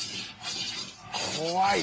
怖い。